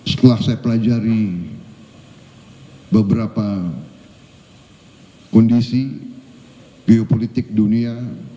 setelah saya pelajari beberapa kondisi geopolitik dunia